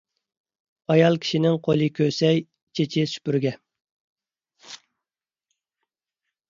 ئايال كىشىنىڭ قولى كۆسەي، چېچى سۈپۈرگە.